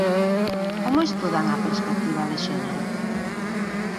Como estudan a perspectiva de xénero?